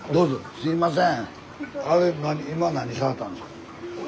すいません。